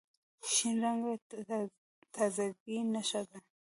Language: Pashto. شین رنګ د تازګۍ نښه ده.